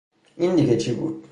این دیگه چی بود